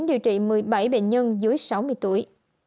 điều trị một mươi bảy bệnh nhân dưới sáu mươi tuổi